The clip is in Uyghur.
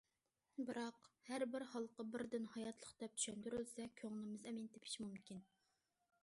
بىراق، ھەر بىر ھالقا بىردىن ھاياتلىق دەپ چۈشەندۈرۈلسە، كۆڭلىمىز ئەمىن تېپىشى مۇمكىن.